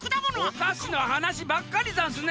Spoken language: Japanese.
おかしのはなしばっかりざんすね。